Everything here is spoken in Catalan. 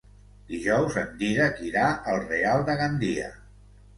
Dijous en Dídac irà al Real de Gandia.